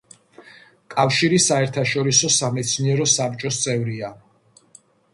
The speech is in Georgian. კავშირი საერთაშორისო სამეცნიერო საბჭოს წევრია.